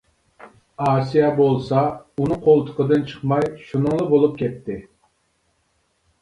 ئاسىيە بولسا ئۇنىڭ قولتۇقىدىن چىقماي، شۇنىڭلا بولۇپ كەتتى.